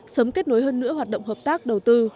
sớm kết nối hơn nữa hoạt động hợp tác đầu tư